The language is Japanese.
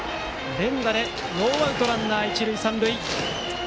連打でノーアウトランナー一塁三塁。